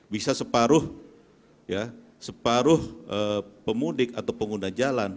bisa separuh pemudik atau pengguna jalan